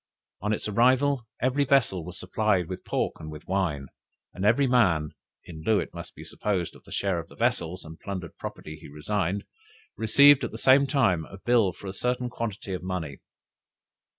On its arrival every vessel was supplied with pork and with wine, and every man (in lieu it may be supposed, of his share of the vessels, and plundered property he resigned) received at the same time a bill for a certain quantity of money.